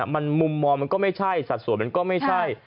มันมุมมองมันก็ไม่ใช่สัดส่วนมันก็ไม่ใช่